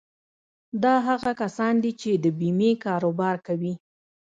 دا هغه کسان دي چې د بيمې کاروبار کوي.